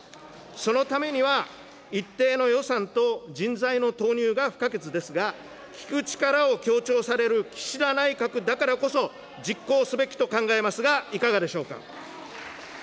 そのためには一定の予算と人材の投入が不可欠ですが、聞く力を強調される岸田内閣だからこそ、実行すべきと考えますが、いかがでしょうか。